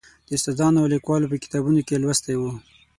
د استادانو او لیکوالو په کتابونو کې لوستی و.